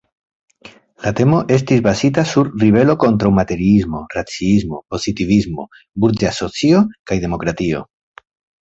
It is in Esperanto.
La temo estis bazita sur ribelo kontraŭ materiismo, raciismo, pozitivismo, burĝa socio kaj demokratio.